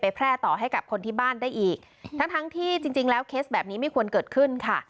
แพร่ต่อให้กับคนที่บ้านได้อีกทั้งทั้งที่จริงจริงแล้วเคสแบบนี้ไม่ควรเกิดขึ้นค่ะ